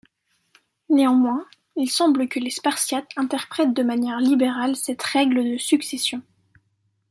Néanmoins, il semble que les Spartiates interprètent de manière libérale cette règle de succession.